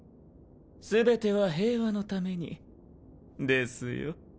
全ては平和のためにですよ。